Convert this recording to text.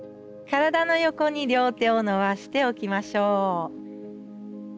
体の横に両手を伸ばしておきましょう。